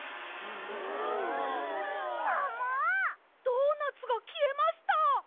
ドーナツがきえました！